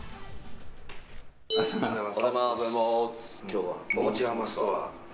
おはようございます。